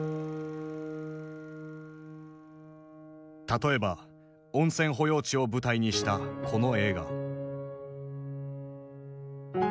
例えば温泉保養地を舞台にしたこの映画。